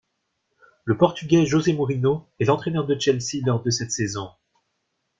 Le Portugais José Mourinho est l'entraîneur de Chelsea lors de cette saison.